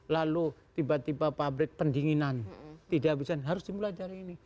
lalu tiba tiba pabrik pendinginan tidak bisa harus dimulai dari ini